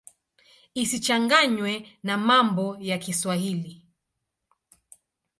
Isichanganywe na mambo ya Kiswahili.